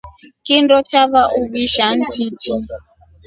Kindo chava uvisha nchichi.